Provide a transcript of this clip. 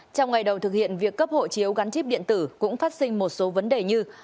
trong ngày đầu thực hiện việc cấp hộ chiếu gắn chip điện tử cũng phát sinh một số vấn đề như